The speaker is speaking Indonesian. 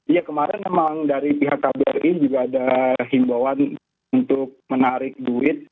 ya kemarin memang dari pihak kbri juga ada himbawan untuk menarik duit